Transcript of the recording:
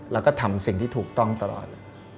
และทำติถูกต้องตลอด